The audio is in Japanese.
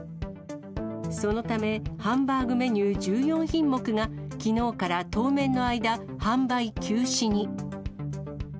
そのため、ハンバーグメニュー１４品目が、きのうから当面の間、販売休止に。